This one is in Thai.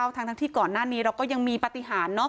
ทั้งที่ก่อนหน้านี้เราก็ยังมีปฏิหาร